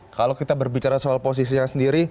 kalau kita berbicara soal posisinya sendiri